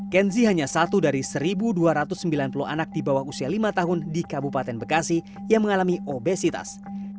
kenzi hanya satu dari satu dua ratus sembilan puluh anak di bawah usia lima tahun di kabupaten bekasi yang mengalami obesitas